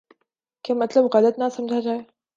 کہ مطلب غلط نہ سمجھا جائے۔